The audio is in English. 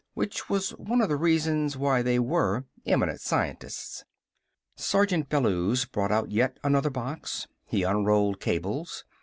Which was one of the reasons why they were eminent scientists. Sergeant Bellews brought out yet another box. He unrolled cables.